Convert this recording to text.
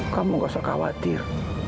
kamu nggak usah khawatir